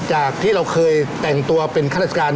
จากที่เราเคยแต่งตัวเป็นข้าราชการ